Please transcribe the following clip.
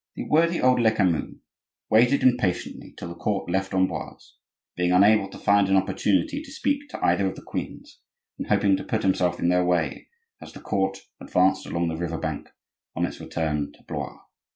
The worthy old Lecamus waited impatiently till the court left Amboise, being unable to find an opportunity to speak to either of the queens, and hoping to put himself in their way as the court advanced along the river bank on its return to Blois.